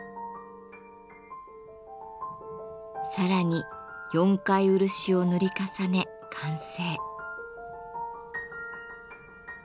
さらに４回漆を塗り重ね完成。